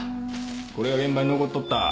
これが現場に残っとった。